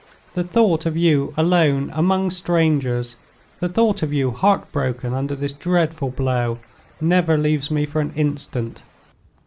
The thought of you alone among strangers, the thought of you heart broken under this dreadful blow, never leaves me for an instant.